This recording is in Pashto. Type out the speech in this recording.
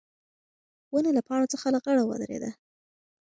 ونه له پاڼو څخه لغړه ودرېده.